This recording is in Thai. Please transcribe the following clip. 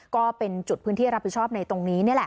ก็เป็นจุดพื้นที่รับผิดชอบในตรงนี้นี่แหละ